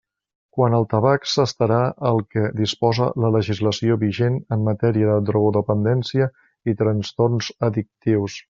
Quant al tabac s'estarà al que disposa la legislació vigent en matèria de drogodependència i trastorns addictius.